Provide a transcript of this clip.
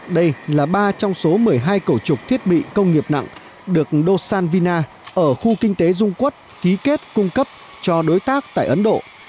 đây là ba trong số một mươi hai cầu trục thiết bị công nghiệp nặng được do san vina ở khu kinh tế dung quốc ký kết cung cấp cho đối tác tại ấn độ